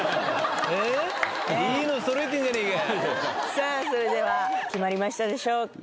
さぁそれでは決まりましたでしょうか？